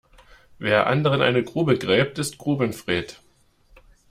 Wer anderen eine Grube gräbt, ist Grubenfred.